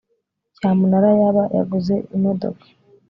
cyamunara yaba yaguze imodoka